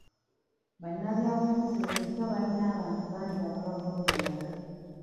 Bannabyabufuzi bulijjo bayina abantu bangi ababagoberera.